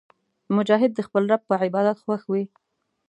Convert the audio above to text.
مجاهد د خپل رب په عبادت خوښ وي.